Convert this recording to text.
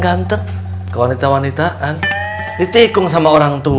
boleh lihat enam belas saat ke sama aku